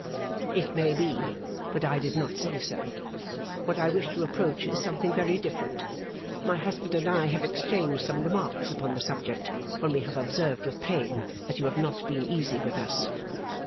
'It may be; but I did not say so. What I wish to approach is something very different. My husband and I have exchanged some remarks upon the subject, when we have observed with pain that you have not been easy with us.